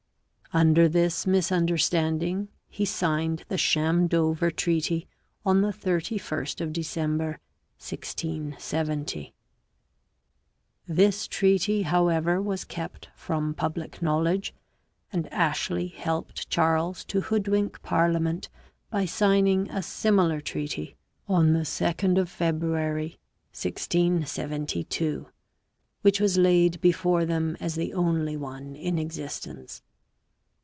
Under this misunder standing he signed the sham Dover treaty on the 31st of December 1670. This treaty, however, was kept from public knowledge, and Ashley helped Charles to hoodwink parliament by signing a similar treaty on the 2nd of February 1672, which was laid before them as the only one in existence.